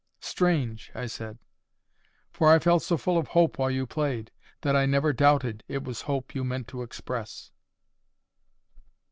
"Strange!" I said; "for I felt so full of hope while you played, that I never doubted it was hope you meant to express."